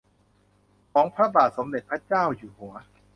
ของพระบาทสมเด็จพระเจ้าอยู่หัว